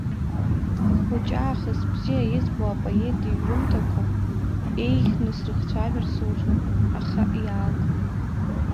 Схәыҷаахыс бзиа избо апоет иҩымҭақәа еиӷьны срыхцәажәар сылшон, аха иааг!